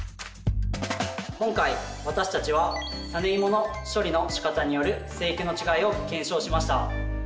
今回私たちはタネイモの処理の仕方による生育の違いを検証しました。